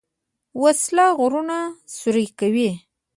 وسله غرونه سوری کوي